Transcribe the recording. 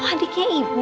oh adiknya ibu